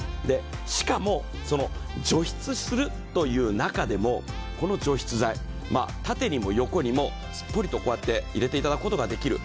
しかも、除湿するという中でもこの除湿剤、縦にも横にもすっぽりと入れていただくことができる。